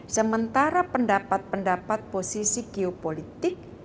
sementara pendapat pendapat posisi geopolitik